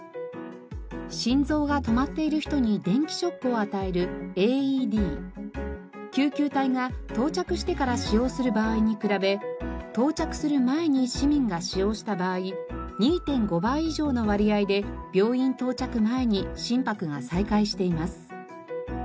心臓が止まっている人に電気ショックを与える救急隊が到着してから使用する場合に比べ到着する前に市民が使用した場合２．５倍以上の割合で病院到着前に心拍が再開しています。